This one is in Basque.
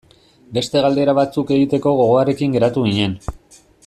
Beste galdera batzuk egiteko gogoarekin geratu ginen.